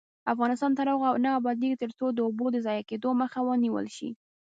افغانستان تر هغو نه ابادیږي، ترڅو د اوبو د ضایع کیدو مخه ونیول نشي.